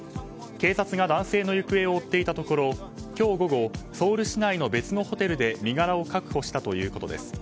警察が男性の行方を追っていたところ今日午後ソウル市内の別のホテルで身柄を確保したということです。